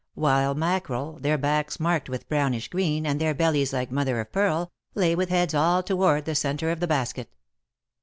while mackerel, their backs marked with brownish green, and their bellies like mother of pearl, lay with heads all toward the centre of the basket.